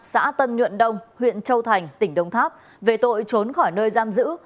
xã tân nhuận đông huyện châu thành tỉnh đông tháp về tội trốn khỏi nơi giam giữ